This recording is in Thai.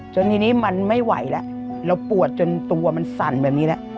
จนทีนี้มันไม่ไหวแล้วเราปวดจนตัวมันสั่นแบบนี้แล้ว